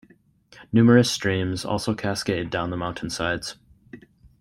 Numerous streams also cascade down the mountain sides.